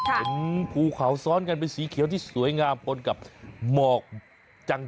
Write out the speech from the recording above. ภูเขาซ้อนกันเป็นสีเขียวที่สวยงามปนกับหมอกจัง